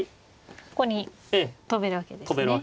ここに跳べるわけですね。